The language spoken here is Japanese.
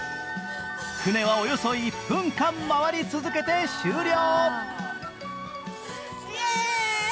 船はおよそ１分間回り続けて終了。